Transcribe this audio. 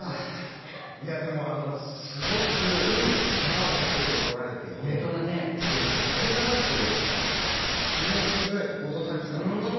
でも、すごく手間をかけて撮られていてこれが、だって週１ぐらいで放送されてたわけでしょ？